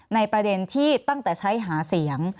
ในประเด็นที่ตั้งแต่ใช้หาเสียง